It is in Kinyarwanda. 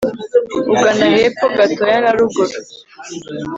ugana hepfo gatoya na ruguru